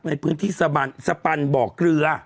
ในพื้นที่สะบันบ่อกเรือ